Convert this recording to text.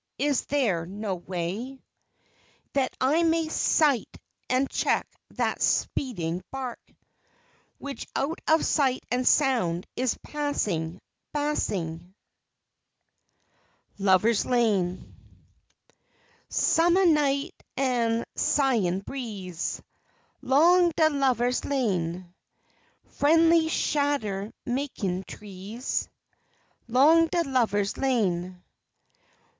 Is there no way That I may sight and check that speeding bark Which out of sight and sound is passing, passing? LOVER'S LANE Summah night an' sighin' breeze, 'Long de lovah's lane; Frien'ly, shadder mekin' trees, 'Long de lovah's lane.